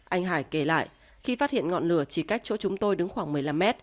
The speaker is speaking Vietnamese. anh hải kể lại khi phát hiện ngọn lửa chỉ cách chỗ chúng tôi đứng khoảng một mươi năm mét